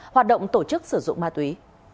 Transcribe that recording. hoạt động tổ chức sử dụng ma túy